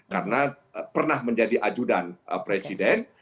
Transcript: karena pernah menjadi ajudan presiden